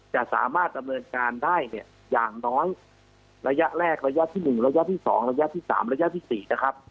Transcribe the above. จะสามารถดำเนินการได้เนี่ยอย่างน้อยระยะแรกระยะที่๑ระยะที่๒ระยะที่๓ระยะที่๔นะครับ